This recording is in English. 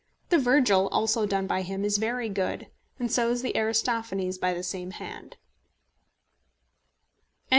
The Virgil, also done by him, is very good; and so is the Aristophanes by the same hand.